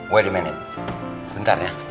wait a minute sebentar ya